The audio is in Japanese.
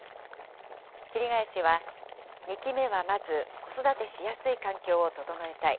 桐ケ谷氏は２期目はまず子育てしやすい環境を整えたい。